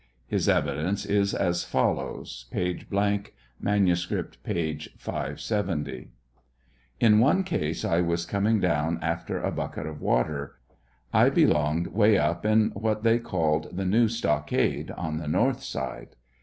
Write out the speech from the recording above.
His evi clence is as follows, (p. ; mannsci'ipt, p. o70 :) In one ease, I was coming down after a bucket of water. I belonged way np in what the; called the new stockade, on the north side.